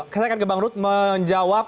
saya akan ke bang rut menjawab